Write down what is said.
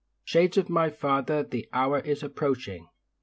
Shades of my father, the hour is approaching.